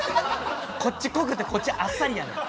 こっち濃くてこっちあっさりやねん。